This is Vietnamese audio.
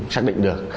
xác định được